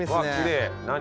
何？